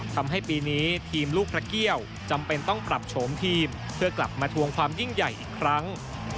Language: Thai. ทำให้ปีนี้ทีมลูกพระเกี่ยวจำเป็นต้องปรับโฉมทีมเพื่อกลับมาทวงความยิ่งใหญ่อีกครั้ง